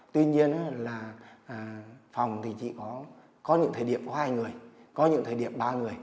tuy nhiên phòng chỉ có thời điểm hai người có thời điểm ba người